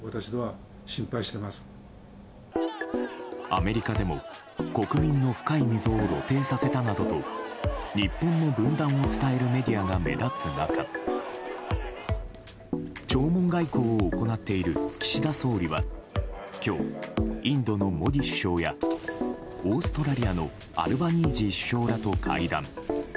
アメリカでも国民の深い溝を露呈させたなどと日本の分断を伝えるメディアが目立つ中弔問外交を行っている岸田総理は今日、インドのモディ首相やオーストラリアのアルバニージー首相らと会談。